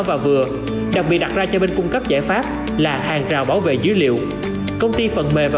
và vừa đặc biệt đặt ra cho bên cung cấp giải pháp là hàng rào bảo vệ dữ liệu công ty phần mềm và